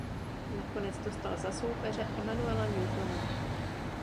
Nakonec dostal za soupeře Emanuela Newtona.